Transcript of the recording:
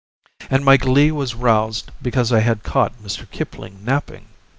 And my glee was roused because I had caught Mr. Kipling napping.